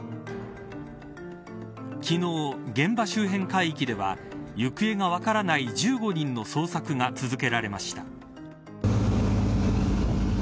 昨日、現場周辺海域では行方が分からない１５人の捜索が続けられました。